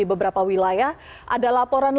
beberapa wilayah ada laporan